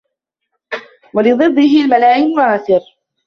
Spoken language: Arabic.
وَلِضِدِّهِ الْمُلَائِمِ آثَرَ